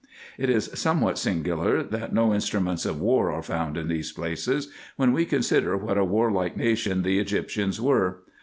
It is somewhat singular that no instruments of war are found in these places, when we consider what a warlike nation the Egyptians were.